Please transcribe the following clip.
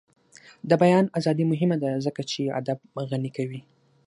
د بیان ازادي مهمه ده ځکه چې ادب غني کوي.